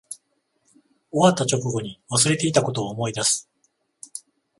終わった直後に忘れていたことを思い出す